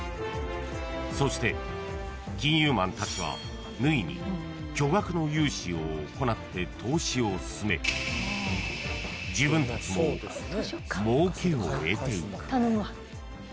［そして金融マンたちは縫に巨額の融資を行って投資を勧め自分たちももうけを得ていく］